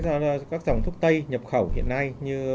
đối với các dòng thuốc tây nhập khẩu hiện nay